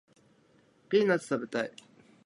ピーナッツ食べたい